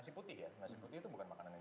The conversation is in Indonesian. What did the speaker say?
nasi itu bukan gampang cernak